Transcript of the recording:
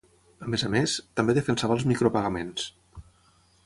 A més a més, també defensava els micropagaments.